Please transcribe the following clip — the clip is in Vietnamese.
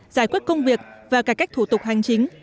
giải quyết công việc và cải cách thủ tục hành chính